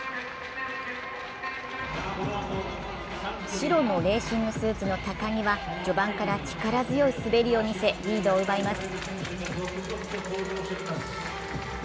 白のレーシングスーツの高木は序盤から力強い滑りを見せリードを奪います。